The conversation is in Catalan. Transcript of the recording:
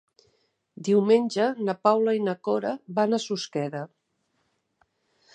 Diumenge na Paula i na Cora van a Susqueda.